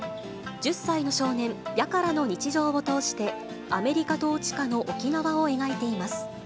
１０歳の少年、ヤカラの日常を通して、アメリカ統治下の沖縄を描いています。